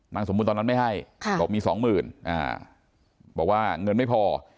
นางสมบุญตอนนั้นไม่ให้บอกว่ามี๒หมื่นเพราะว่าเงินไม่พอ